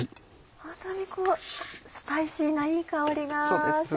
ホントにこうスパイシーないい香りがします。